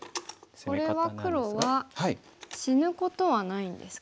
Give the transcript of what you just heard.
これは黒は死ぬことはないんですか？